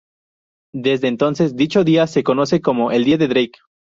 Desde entonces, dicho día se conoce como el Día de Drake.